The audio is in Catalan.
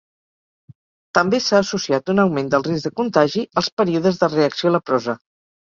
També s'ha associat un augment del risc de contagi als períodes de reacció leprosa.